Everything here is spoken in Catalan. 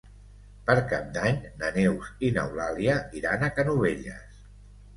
Per Cap d'Any na Neus i n'Eulàlia iran a Canovelles.